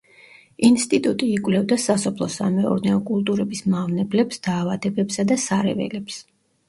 ინსტიტუტი იკვლევდა სასოფლო-სამეურნეო კულტურების მავნებლებს, დაავადებებსა და სარეველებს.